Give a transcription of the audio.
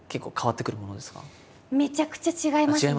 めちゃくちゃ違いますね。